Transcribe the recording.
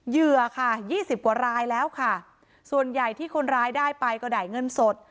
เหยื่อค่ะยี่สิบกว่ารายแล้วค่ะส่วนใหญ่ที่คนร้ายได้ไปก็ได้เงินสด